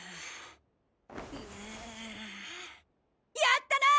やったな！